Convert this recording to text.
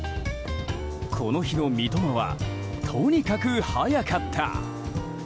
この日の三笘はとにかく速かった。